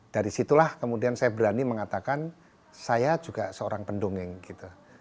dari situlah kemudian saya berani mengatakan saya juga seorang pendongeng gitu